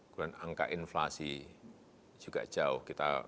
kemudian angka inflasi juga jauh